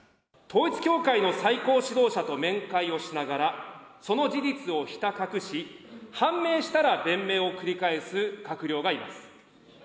統一教会の最高指導者と面会をしながら、その事実をひた隠し、判明したら弁明を繰り返す閣僚がいます。